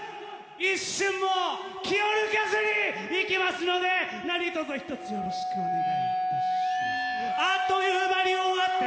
一瞬も気を抜かずにいきますので何とぞ一つよろしくお願いいたします。